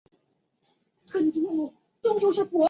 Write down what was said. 汉承秦制。